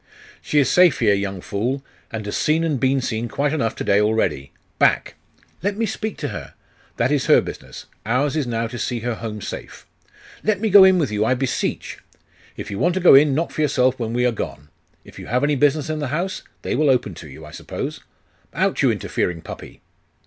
'She is safe here, young fool, and has seen and been seen quite enough to day already. Back!' 'Let me speak to her!' 'That is her business. Ours is now to see her home safe.' 'Let me go in with you, I beseech!' 'If you want to go in, knock for yourself when we are gone. If you have any business in the house, they will open to you, I suppose. Out, you interfering puppy!